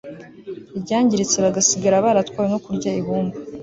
ryangiritse bagasigara baratwawe no kurya ibumba